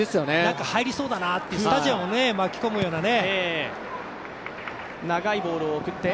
入りそうだなというスタジアムを巻き込むようなね。